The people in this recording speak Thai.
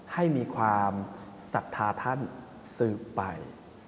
ให้มีความศรัทธาท่านสืบไป